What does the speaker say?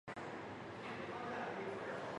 工部尚书王舜鼎之孙。